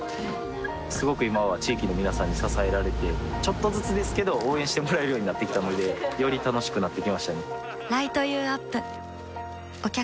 すごく今は地域の皆さんに支えられてちょっとずつですけど応援してもらえるようになってきたのでより楽しくなってきましたね